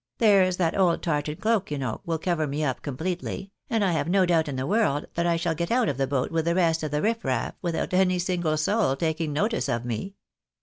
There's that old tartan cloak, you know, will cover me up completely, and I have no doubt in the world that I shall get out of the boat with the rest of the riff raff, without any single soul taking notice of me.